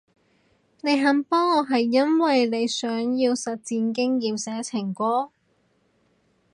你肯幫我係因為你想要實戰經驗寫情歌？